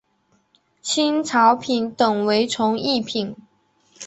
清朝品等为从一品。